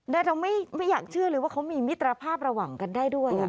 และเราไม่อยากเชื่อเลยว่าเขามีมิตรภาพระหว่างกันได้ด้วย